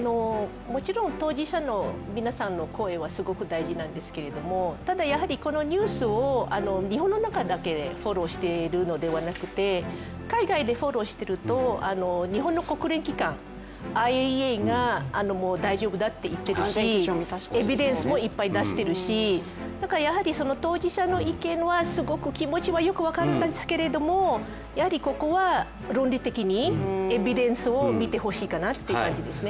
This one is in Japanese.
もちろん当事者の皆さんの声はすごく大事なんですけれども、ただやはりこのニュースを日本の中だけでフォローしているのではなくて海外でフォローしていると、日本の国連機関、ＩＡＥＡが大丈夫だって言ってるしエビデンスもいっぱい出しているし、やはり当事者の意見はすごく気持ちはよく分かるんですけれどもここは論理的にエビデンスを見てほしいかなという感じですね。